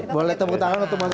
boleh tepuk tangan untuk mas